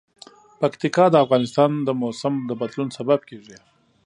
پکتیکا د افغانستان د موسم د بدلون سبب کېږي.